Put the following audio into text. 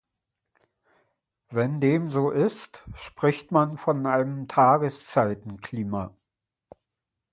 Wenn dem so ist, spricht man von einem Tageszeitenklima.